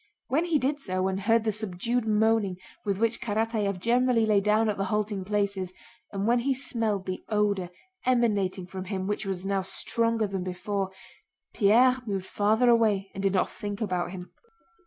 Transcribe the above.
When he did so and heard the subdued moaning with which Karatáev generally lay down at the halting places, and when he smelled the odor emanating from him which was now stronger than before, Pierre moved farther away and did not think about him.